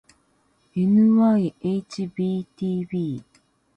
ｎｙｈｂｔｂ